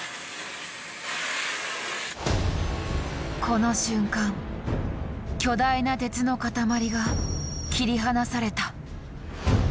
この瞬間巨大な鉄の塊が切り離された。